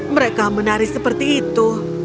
mereka menari seperti itu